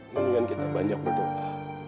mungkin kita banyak berdoa